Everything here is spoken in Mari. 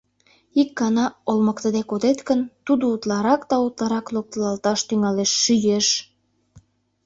Ик гана олмыктыде кодет гын, тудо утларак да утларак локтылалташ тӱҥалеш, шӱеш.